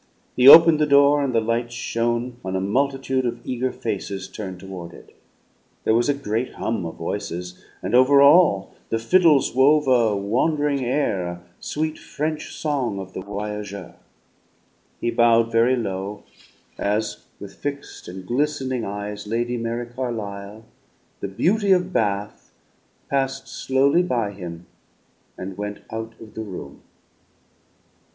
He opened the door, and the lights shone on a multitude of eager faces turned toward it. There was a great hum of voices, and, over all, the fiddles wove a wandering air, a sweet French song of the voyageur. He bowed very low, as, with fixed and glistening eyes, Lady Mary Carlisle, the Beauty of Bath, passed slowly by him and went out of the room.